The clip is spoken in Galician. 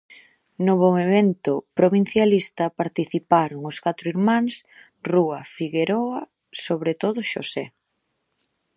No movemento provincialista participaron os catro irmáns Rúa Figueroa, sobre todo Xosé.